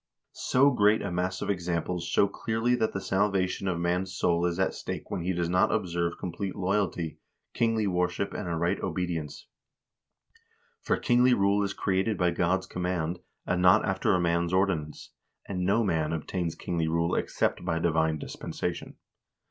"So great a mass of examples show clearly that the salvation of man's soul is at stake when he does not observe complete loyalty, kingly worship, and a right obedience ; for kingly rule is created by God's command, and not after man's ordinance, and no man obtains kingly rule except by divine dispensation.